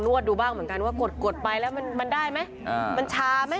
วดดูบ้างเหมือนกันว่ากดไปแล้วมันได้ไหมมันชาไหม